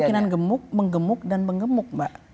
itu kemungkinan gemuk menggemuk dan menggemuk mbak